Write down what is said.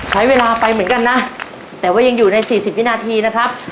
ใช้เวลาไปเหมือนกันนะแต่ว่ายังอยู่ในสี่สิบวินาทีนะครับ